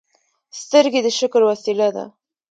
سترګې د شکر وسیله ده